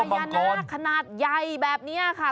พญานาคขนาดใหญ่แบบนี้ค่ะ